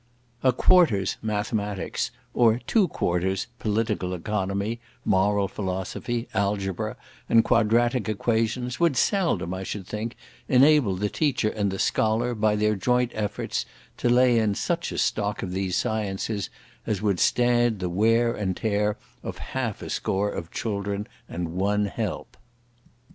"A quarter's" mathematics, or "two quarters" political economy, moral philosophy, algebra, and quadratic equations, would seldom, I should think, enable the teacher and the scholar, by their joint efforts, to lay in such a stock of these sciences as would stand the wear and tear of half a score of children, and one help.